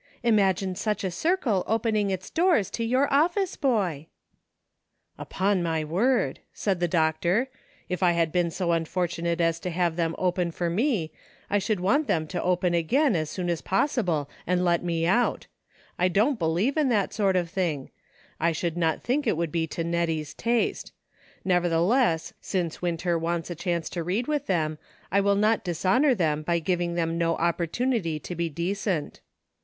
Imagine such a circle opening its doors to vour office boy !" "VERY MUCH IMPROVED. 221 " Upon my word," said the doctor, " if I had been so unfortunate as to have them open for me, I should want them to open again as soon as pos sible and let me out. I don't believe in that sort of thing ; I should not think it would be to Net tie's taste. Nevertheless, since Winter wants a chance to read with them, I will not dishonor them by giving them no opportunity to be decent."